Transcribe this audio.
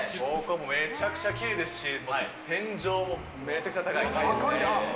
めちゃくちゃきれいですし、天井もめちゃくちゃ高い。